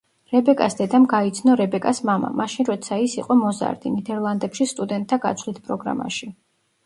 რებეკას დედამ გაიცნო რებეკას მამა, მაშინ როცა ის იყო მოზარდი, ნიდერლანდებში სტუდენტთა გაცვლით პროგრამაში.